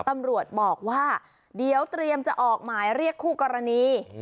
ตำรวจบอกว่าเดี๋ยวเตรียมจะออกหมายเรียกคู่กรณี